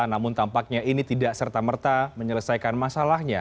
namun tampaknya ini tidak serta merta menyelesaikan masalahnya